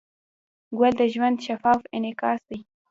ګل د ژوند شفاف انعکاس دی.